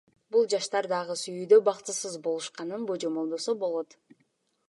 Бул жаштар дагы сүйүүдө бактысыз болушканын божомолдосо болот.